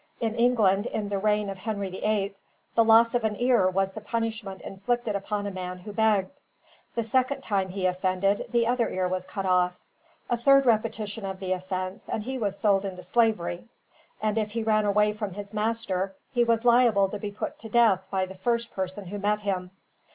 In England, in the reign of Henry the Eighth, the loss of an ear was the punishment inflicted upon a man who begged. The second time he offended, his other ear was cut off. A third repetition of the offense, and he was sold into slavery; and if he ran away from his master, he was liable to be put to death by the first person who met him.